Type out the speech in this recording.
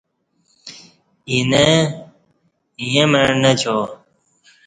اینہ ایں مع نچا